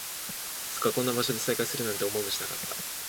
まさかこんな場所で再会するなんて、思いもしなかった